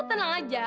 lo tenang aja